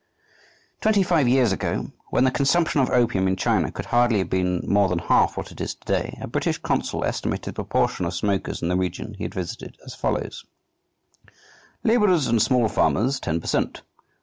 Twenty five years ago, when the consumption of opium in China could hardly have been more than half what it is to day, a British consul estimated the proportion of smokers in the region he had visited as follows: "Labourers and small farmers, ten per cent.